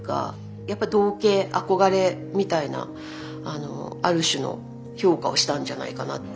やっぱ憧憬憧れみたいなある種の評価をしたんじゃないかなって。